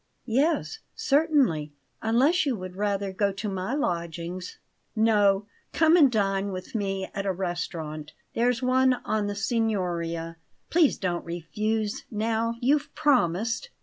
"Yes, certainly, unless you would rather go to my lodgings." "No; come and dine with me at a restaurant. There's one on the Signoria. Please don't refuse, now; you've promised!"